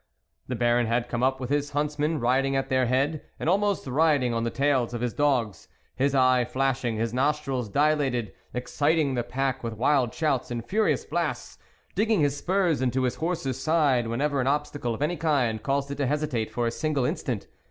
The Baron had come up with his hunts men, riding at their head, and almost rid ing on the tails of his dogs, his eye flash ing, his nostrils dilated, exciting the pack with wild shouts and furious blasts, dig ging his spurs into his horse's sides when ever an obstacle of any kind caused it to hesitate for a single instant.